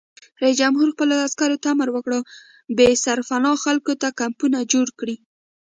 رئیس جمهور خپلو عسکرو ته امر وکړ؛ بې سرپناه خلکو ته کمپونه جوړ کړئ!